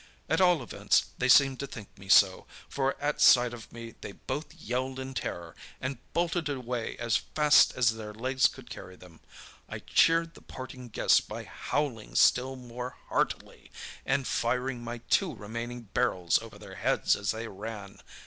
At all events, they seemed to think me so, for at sight of me they both yelled in terror, and bolted away as fast as their legs could carry them. I cheered the parting guests by howling still more heartily, and firing my two remaining barrels over their heads as they ran.